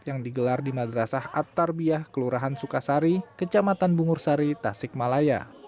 yang digelar di madrasah at tarbiah kelurahan sukasari kecamatan bungur sari tasikmalaya